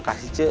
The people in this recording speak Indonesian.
terima kasih c